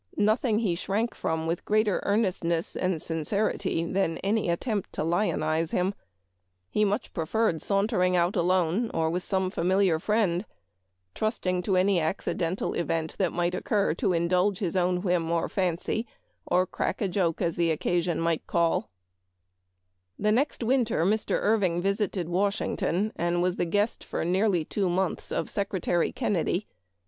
Nothing he shrank from with greater earnestness and sincerity than any attempt to lionize him. ... He much preferred sauntering out alone, or with some familiar friend — trusting to any accidental event that might occur to indulge his own whim 284 Memoir of Washington Irving. or fancy, or crack a joke, as occasion might call" The next winter Mr. Irving visited Washing ton, and was the guest for nearly two months of Secretary Kennedy.